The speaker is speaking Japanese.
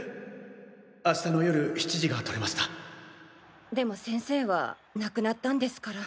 明日の夜７時でも先生は亡くなったんですから。